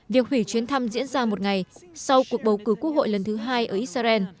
việc hủy chuyến thăm diễn ra một ngày sau cuộc bầu cử quốc hội lần thứ hai ở israel